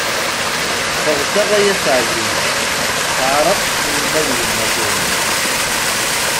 Ffɣet-aɣ ay At ɛziz, teɛṛeq yemma d yemmat-wen!